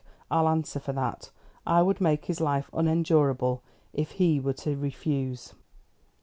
I'll answer for that. I would make his life unendurable if he were to refuse."